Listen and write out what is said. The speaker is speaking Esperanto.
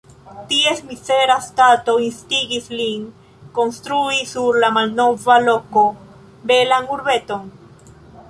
Ties mizera stato instigis lin, konstrui sur la malnova loko belan urbeton.